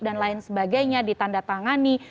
dan lain sebagainya ditandatangani